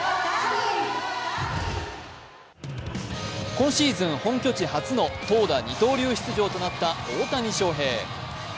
今シーズン本拠地初の投打二刀流出場となった大谷翔平。